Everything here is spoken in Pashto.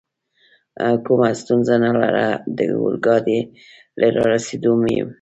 کومه ستونزه نه لرله، د اورګاډي له رارسېدو مې.